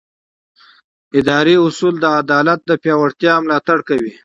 اداري اصول د عدالت د پیاوړتیا ملاتړ کوي.